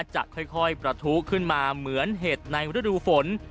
จะค่อยประทุขึ้นมาเหมือนเห็ดในฤดูฝน